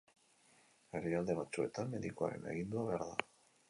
Herrialde batzuetan medikuaren agindua behar da.